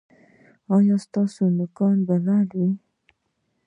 ایا ستاسو نوکان به لنډ وي؟